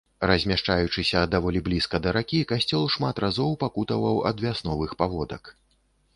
Размяшчаючыся даволі блізка да ракі, касцёл шмат разоў пакутаваў ад вясновых паводак.